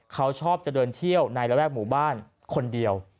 เขาชอบจะเดินเที่ยวในระแวกหมู่บ้านคนเดียว